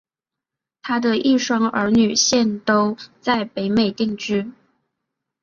她的一双儿女现都在北美定居。